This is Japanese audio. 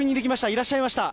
いらっしゃいました。